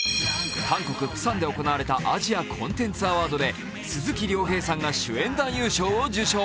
韓国・プサンで行われたアジアコンテンツアワードで鈴木亮平さんが主演男優賞を受賞。